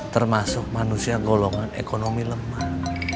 termasuk manusia golongan ekonomi lemah